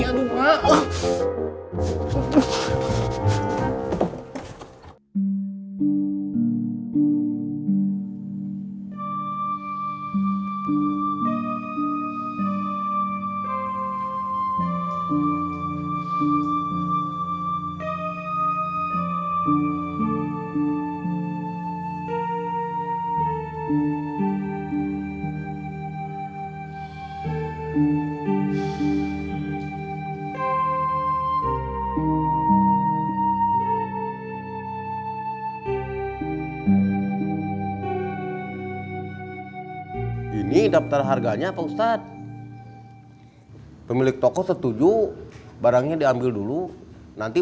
aduh ma apa yang ada di sini